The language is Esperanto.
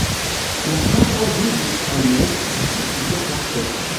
La paro vivis kune ĝis lia morto.